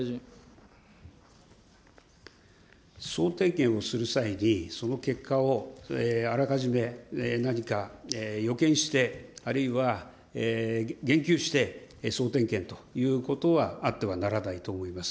総点検をする際に、その結果を、あらかじめ何か予見して、あるいは、言及して、総点検ということはあってはならないと思います。